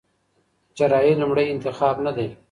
جراحي لومړی انتخاب نه دی.